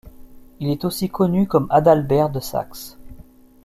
Il est aussi connu comme Adalbert de Saxe.